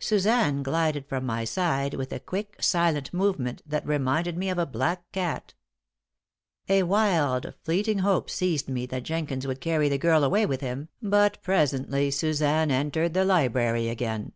Suzanne glided from my side with a quick, silent movement that reminded me of a black cat. A wild, fleeting hope seized me that Jenkins would carry the girl away with him, but presently Suzanne entered the library again.